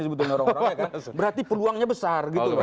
berarti peluangnya besar